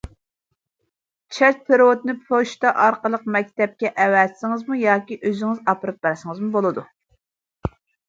چەك پېرېۋوتىنى پوچتا ئارقىلىق مەكتەپكە ئەۋەتسىڭىزمۇ ياكى ئۆزىڭىز ئاپىرىپ بەرسىڭىزمۇ بولىدۇ.